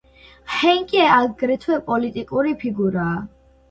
ჰენკი აგრეთვე პოლიტიკური ფიგურაა.